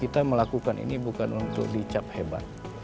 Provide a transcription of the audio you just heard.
kita melakukan ini bukan untuk dicap hebat